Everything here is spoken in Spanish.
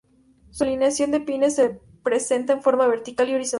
Su alineación de pines se presenta en forma vertical y horizontal.